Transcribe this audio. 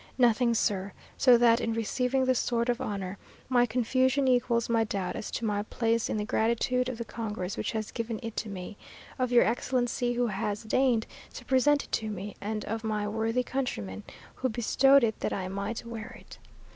Nothing, sir; so that, in receiving this sword of honour, my confusion equals my doubt as to my place in the gratitude of the congress which has given it to me, of your Excellency who has deigned to present it to me, and of my worthy countrymen who bestowed it that I might wear it.